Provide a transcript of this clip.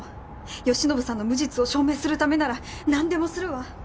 善信さんの無実を証明するためならなんでもするわ。